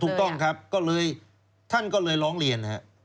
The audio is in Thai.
ถูกต้องครับก็เลยท่านก็เลยร้องเรียน